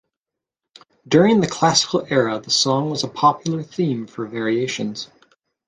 During the classical era the song was a popular theme for variations.